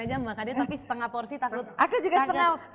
agak agak ut